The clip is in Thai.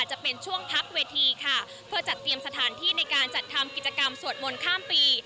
จะเป็นช่วงพักเวทีค่ะเพื่อจัดเตรียมสถานที่ในการจัดทำกิจกรรมสวดมนต์ข้ามปี